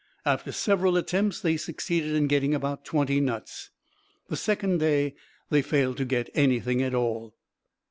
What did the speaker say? After several attempts they succeeded in getting about twenty nuts. The second day they failed to get anything at all.